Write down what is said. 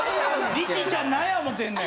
リチちゃんなんや思てんねん。